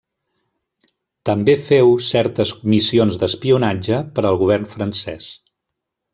També féu certes missions d'espionatge per al govern francès.